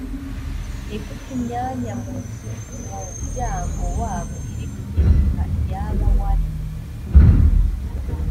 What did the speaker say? ni gute imyanya mu muryango wabo iri guhinduka iyaba wari